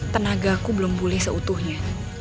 tenaga aku belum bulih seutuhnya